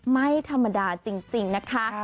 ไม่ธรรมดาจริงนะคะ